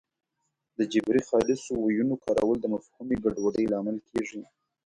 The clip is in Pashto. د جبري خالصو ویونو کارول د مفهومي ګډوډۍ لامل کېږي